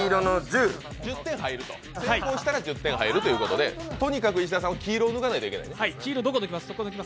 成功したら１０点入るということで、とにかく石田さんは黄色を抜かないといけない。